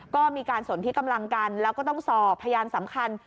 ก็มีการสนที่กำลังกันแล้วก็ต้องสอบพยานสำคัญ